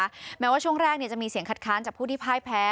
แม้ว่าช่วงแรกจะมีเสียงคัดค้านจากผู้ที่พ่ายแพ้